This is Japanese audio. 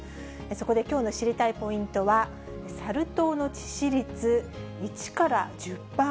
そこできょうの知りたいポイントは、サル痘の致死率１から１０％。